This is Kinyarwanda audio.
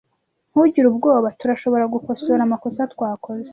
Ntugire ubwoba. Turashobora gukosora amakosa twakoze.